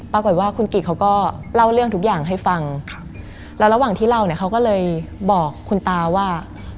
ปรากฏว่าคุณกิเขาก็เล่าเรื่องทุกอย่างให้ฟังครับแล้วระหว่างที่เล่าเนี่ยเขาก็เลยบอกคุณตาว่า